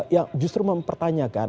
yang justru mempertanyakan